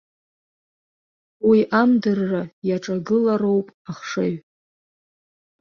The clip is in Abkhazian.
Уи амдырра иаҿагылароуп ахшыҩ.